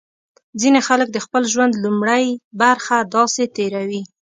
ځینې خلک د خپل ژوند لومړۍ برخه داسې تېروي.